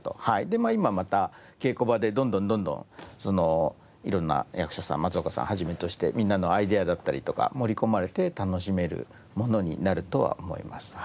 で今また稽古場でどんどんどんどん色んな役者さん松岡さんを始めとしてみんなのアイデアだったりとか盛り込まれて楽しめるものになるとは思います。